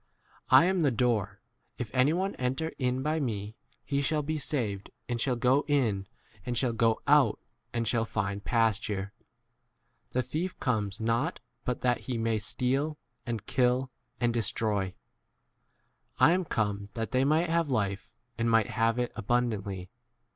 I • am the door : if anyone enter in by me, he shall be saved, and shall go in and shall 10 go out and shall find pasture. The thief comes not but that he may steal, and kill, and destroy : I" am come that they might have life, 11 and might have [it] abundantly.